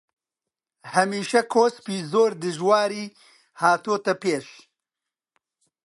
هەمیشە کۆسپی زۆر دژواری هاتۆتە پێش